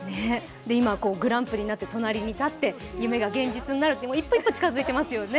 今はこう、グランプリになって隣に立って、夢が現実になるっていう、一歩一歩近づいていますよね。